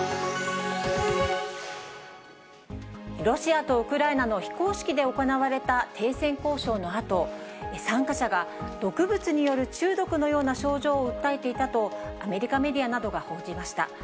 ロシアとウクライナの非公式で行われた停戦交渉のあと、参加者が毒物による中毒のような症状を訴えていたと、アメリカメディアなどが報じました。